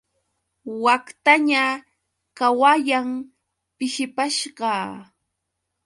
Waktaña qawayan, pishipashqa.